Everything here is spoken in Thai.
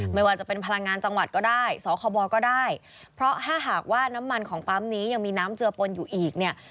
ไม่ว่าจะเป็นพลังงานจังหวัดก็ได้สคบก็ได้เพราะถ้าหากว่าน้ำมันของปั๊มนี้ยังมีน้ำเจือปนอยู่อีกเนี่ย